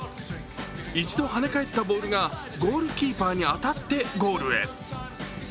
一度跳ね返ったボールがゴールキーパーに当たってゴールへ。